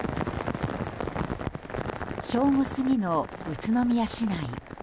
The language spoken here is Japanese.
正午過ぎの宇都宮市内。